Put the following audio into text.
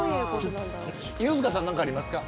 犬塚さん何かありますか。